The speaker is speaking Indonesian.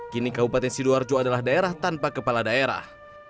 kini kabupaten sidoarjo adalah daerah tanpa kepala daerah